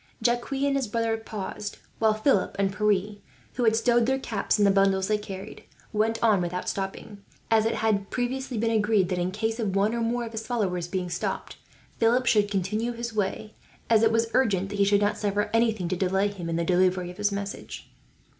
Jacques and his brother paused, while Philip and Pierre, who had stowed their caps in the bundles they carried, went on without stopping; as it had previously been agreed that, in case of one or more of his followers being stopped, Philip should continue his way; as it was urgent that he should not suffer anything to delay him in the delivery of his message.